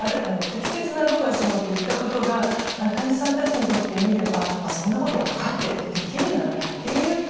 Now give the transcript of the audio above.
適切なアドバイスと思って言ったことが患者さんたちにとってみれば「そんなこと分かってる」と「できるならやっている」